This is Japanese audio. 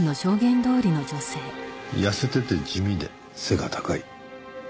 痩せてて地味で背が高い。